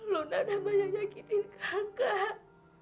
luna udah banyak nyakitin kakak